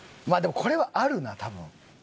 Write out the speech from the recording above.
まあでもこれはあるな多分。